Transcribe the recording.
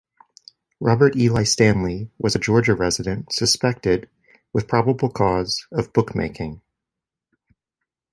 Robert Eli Stanley was a Georgia resident suspected, with probable cause, of bookmaking.